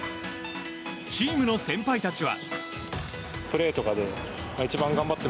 チームの先輩たちは。